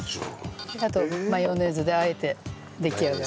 あとマヨネーズであえて出来上がり。